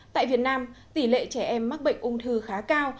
tại việt nam tỷ lệ trẻ em mắc bệnh ung thư khá cao